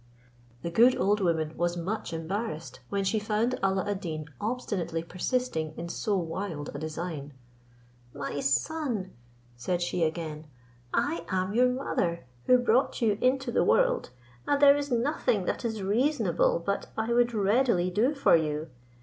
The good old woman was much embarrassed, when she found Alla ad Deen obstinately persisting in so wild a design. "My son," said she again, "I am your mother, who brought you into the world, and there is nothing that is reasonable but I would readily do for you.